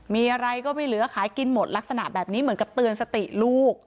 มีอะไรก็ไม่เหลือขายกินหมดลักษณะแบบนี้เหมือนกับเตือนสติลูก